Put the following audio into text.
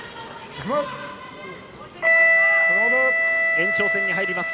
延長戦に入ります。